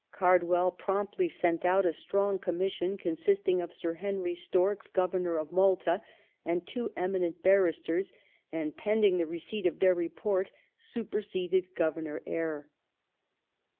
Cardwell promptly sent out a strong Commission con sisting of Sir Henry Storks, Governor of Malta, and two eminent barristers, and, pending the receipt of their report, superseded Governor Eyre.